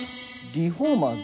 リフォーマーズ！